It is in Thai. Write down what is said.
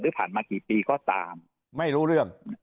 ผ่านมากี่ปีก็ตามไม่รู้เรื่อง